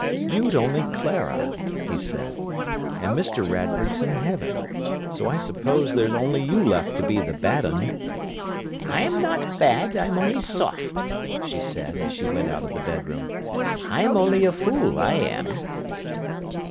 "You'd only Clara," he said. "And Mr. Radford's in heaven. So I suppose there's only you left to be the bad un." "I'm not bad; I'm only soft," she said, as she went out of the bedroom. "I'm only a fool, I am!"